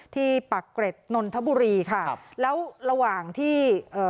ปักเกร็ดนนทบุรีค่ะครับแล้วระหว่างที่เอ่อ